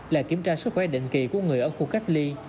là kiểm tra sức khỏe định kỳ của người ở khu cách ly